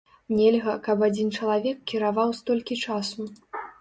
Нельга, каб адзін чалавек кіраваў столькі часу.